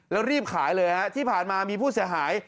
แล้วรีบขายเลยฮะที่ผ่านมามีผู้เสียหาย